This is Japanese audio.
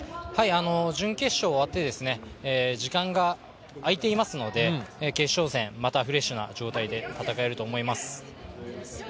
準決勝終わって時間が空いていますので決勝戦、またフレッシュな状態で戦えると思います。